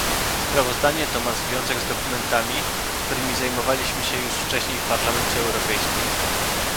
Sprawozdanie to ma związek z dokumentami, którymi zajmowaliśmy się już wcześniej w Parlamencie Europejskim